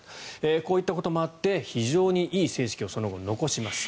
こういったこともあって非常にいい成績をその後、残します。